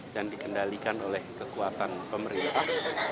dan dikendalikan oleh kekuatan pemerintah